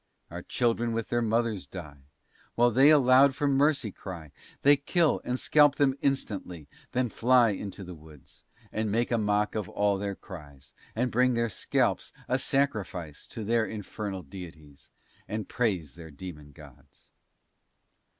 Our children with their mothers die, While they aloud for mercy cry; They kill, and scalp them instantly, Then fly into the woods, And make a mock of all their cries, And bring their scalps a sacrifice To their infernal deities, And praise their demon gods.